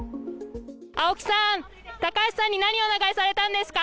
青木さん、高橋さんに何お願いされたんですか。